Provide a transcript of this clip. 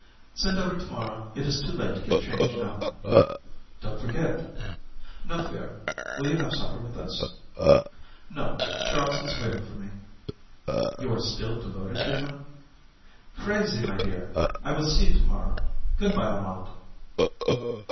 "Send over to morrow; it is too late to get change now." "Don't forget." "No fear. Will you have supper with us?" "No, Charles is waiting for me." "You are still devoted to him?" "Crazy, my dear! I will see you to morrow. Good bye, Armand."